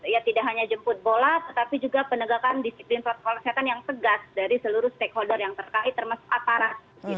ya tidak hanya jemput bola tetapi juga penegakan disiplin protokol kesehatan yang tegas dari seluruh stakeholder yang terkait termasuk aparat